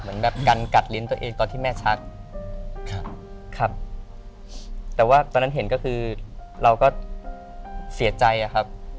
เหมือนแบบกันกัดลิ้นตัวเองตอนที่แม่ชักครับครับแต่ว่าตอนนั้นเห็นก็คือเราก็เสียใจอะครับ